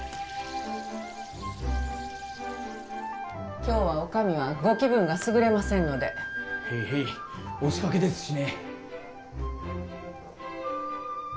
今日はお上はご気分が優れませんのでへいへい押しかけですしね